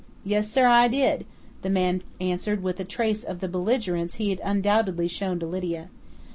"Yes, sir, I did!" the man answered with a trace of the belligerence he had undoubtedly shown to Lydia.